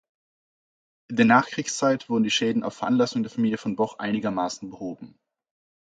In der Nachkriegszeit wurden die Schäden auf Veranlassung der Familie von Boch einigermaßen behoben.